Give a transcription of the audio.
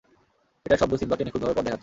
এটার শব্দ সিম্বাকে নিখুঁতভাবে পথ দেখাচ্ছে!